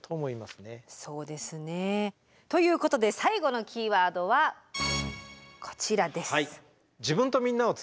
そうですね。ということで最後のキーワードはこちらです。